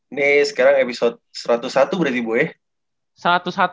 ini sekarang episode satu ratus satu berarti bu ya